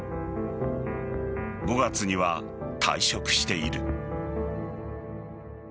５月には退職している。